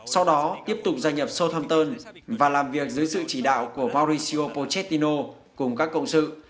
sau đó tiếp tục gia nhập southampton và làm việc dưới sự chỉ đạo của mauricio pochettino cùng các công sự